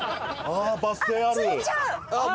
あっバス停ある。